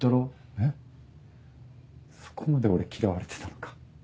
えっそこまで俺嫌われてたのか。